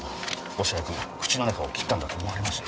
恐らく口の中を切ったんだと思われます。